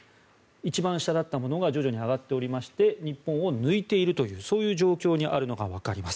一番下だったものが徐々に上がっておりまして日本を抜いているというそういう状況にあるのがわかります。